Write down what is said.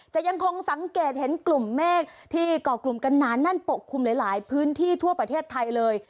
ยังคงสังเกตเห็นกลุ่มเมฆที่ก่อกลุ่มกันหนาแน่นปกคลุมหลายพื้นที่ทั่วประเทศไทยเลย